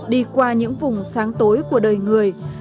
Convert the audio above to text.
đi qua những vùng sáng tối của đời người